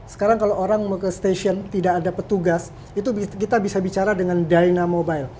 sekarang kalau orang mau ke stasiun tidak ada petugas itu kita bisa bicara dengan dyna mobile